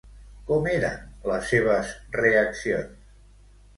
Com eren les seves reaccions?